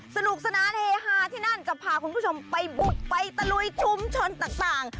สนุกสนานเฮฮาที่นั่นจะพาคุณผู้ชมไปบุกไปตะลุยชุมชนต่าง